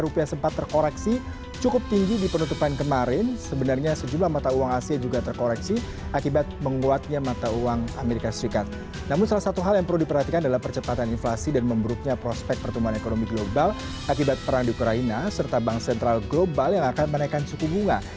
prospek pertumbuhan ekonomi global akibat perang di ukraina serta bank sentral global yang akan menaikkan suku bunga